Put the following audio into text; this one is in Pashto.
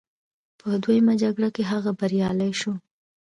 په دویمه جګړه کې هغه بریالی شو.